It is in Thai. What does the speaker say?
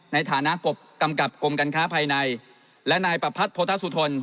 ในฐานะกบกำกับกรมการค้าภายในและนายประพัทธสุทน